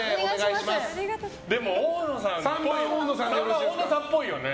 でも、３番大野さんっぽいよね。